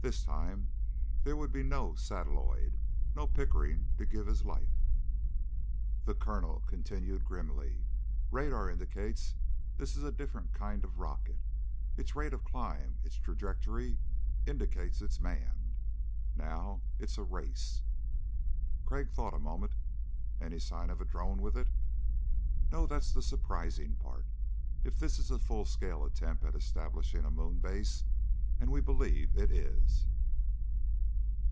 This time there would be no satelloid, no Pickering to give his life. The Colonel continued grimly. "Radar indicates this is a different kind of rocket. Its rate of climb ... its trajectory ... indicates it's manned. Now it's a race." Crag thought a moment. "Any sign of a drone with it?" "No, that's the surprising part, if this is a full scale attempt at establishing a moon base. And we believe it is."